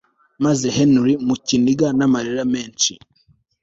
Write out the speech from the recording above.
maze Henry mu kiniga namarira menshi